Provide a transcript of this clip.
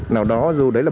nào đó dù đấy là